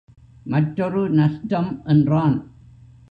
மற்றொரு நஷ்டம் என்றான்.